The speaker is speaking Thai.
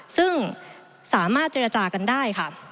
ซึ่งสามารถเจรจากันได้ค่ะ